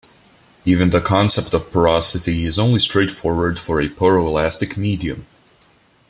Even the concept of porosity is only straightforward for a poroelastic medium.